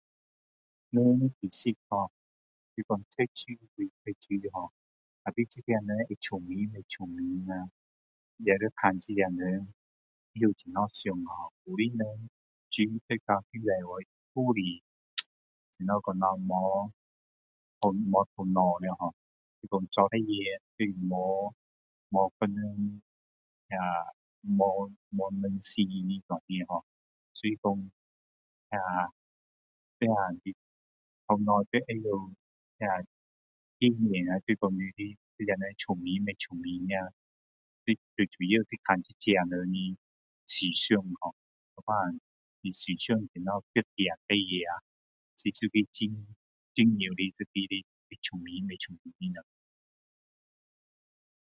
人，出息[har] ，就说读书还是读书[har]，tapi 这个人会聪明还是不会聪明啊，也要看这人会怎么想[har]。有的人书读那没多咯，还是，怎么说呢，没，没好货的[har]就说做事情就没有， 没别人，那没， 没人寻的这样的。所以说那，那。所有事都会要那[har]那 [unintelligible] 这个人聪明不聪明的呀，最主要就要看这个人的思想[har]。一半下这思想怎样决定事情，是一个重要一个的这聪明不聪明咯。